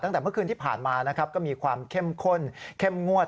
ตั้งแต่เมื่อคืนที่ผ่านมานะครับก็มีความเข้มข้นเข้มงวด